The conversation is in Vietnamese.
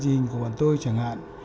trong chuyên ngành của bọn tôi chẳng hạn